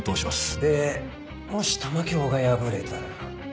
でもし玉響が敗れたら？